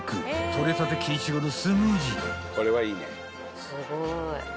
採れたてキイチゴのスムージー］